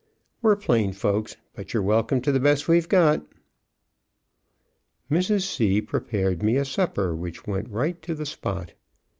We're plain folks, but you're welcome to the best we've got." Mrs. C. prepared me a supper which went right to the spot.